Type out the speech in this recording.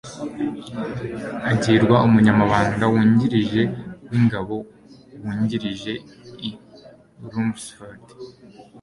agirwa umunyamabanga wungirije w'ingabo wungirije i Rumsfeld